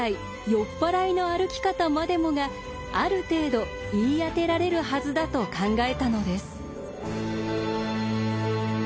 酔っ払いの歩き方までもがある程度言い当てられるはずだと考えたのです。